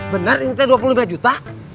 benar ini teh dua puluh lima juta